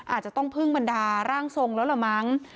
อาจจะต้องพึ่งบรรดาร่างทรงแล้วล่ะมั้ง